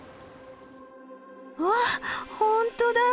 わっ本当だ。